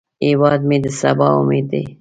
هیواد مې د سبا امید دی